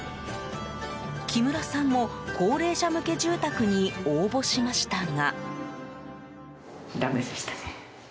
木村さんも高齢者向け住宅に応募しましたが。